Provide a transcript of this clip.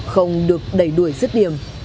phong được đẩy đuổi sức điểm